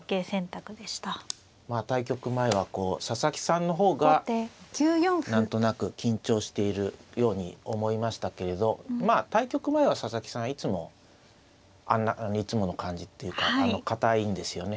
対局前はこう佐々木さんの方が何となく緊張しているように思いましたけれどまあ対局前は佐々木さんいつもいつもの感じっていうか硬いんですよね